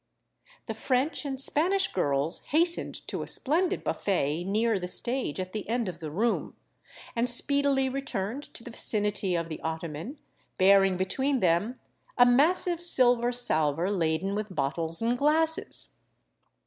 The French and Spanish girls hastened to a splendid buffet near the stage at the end of the room, and speedily returned to the vicinity of the ottoman, bearing between them a massive silver salver laden with bottles and glasses.